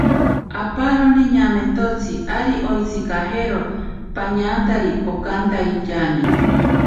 Aparoni ñanamentotsi ari owitsikajero pañantari onkantaityani.